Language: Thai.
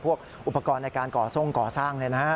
พวกอุปกรณ์ในก่อส้งก่อสร้างเลยนะ